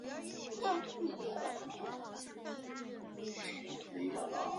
克雷昂塞。